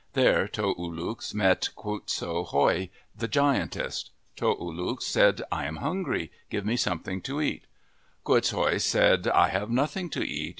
There Toe oo lux met Quoots hooi, the giantess. Toe oo lux said, " I am hungry. Give me something to eat." Quoots hooi said, " I have nothing to eat.